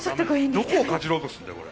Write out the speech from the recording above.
どこをかじろうとするんだよ、これ。